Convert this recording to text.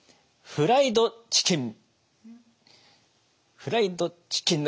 フライドチキヌ。